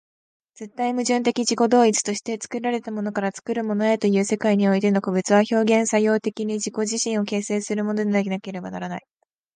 絶対矛盾的自己同一として、作られたものから作るものへという世界においての個物は、表現作用的に自己自身を形成するものでなければならない。